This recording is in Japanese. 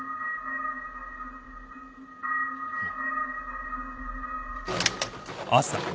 うん。